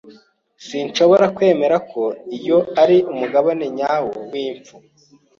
Sinshobora kwemeza ko iyo ari umubare nyawo w'impfu.